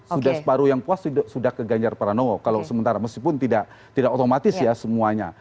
sudah separuh yang puas sudah ke ganjar pranowo kalau sementara meskipun tidak otomatis ya semuanya